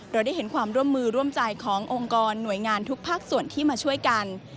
ได้เห็นความร่วมมือร่วมใจขององค์กรหน่วยงานทุกภาคส่วนที่มาช่วยกัน